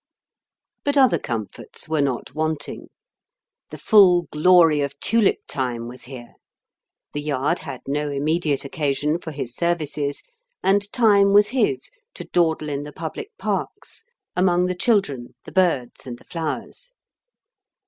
But other comforts were not wanting. The full glory of tulip time was here; The Yard had no immediate occasion for his services, and time was his to dawdle in the public parks among the children, the birds, and the flowers.